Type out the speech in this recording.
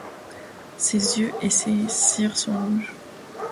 Ses yeux et ses cires sont rouges.